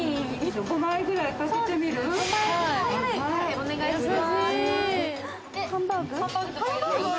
お願いします。